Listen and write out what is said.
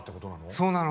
そうなの。